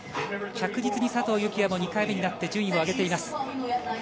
着実に佐藤幸椰も２回目になって順位を上げています。